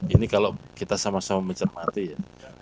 ini kalau kita sama sama mencermati ya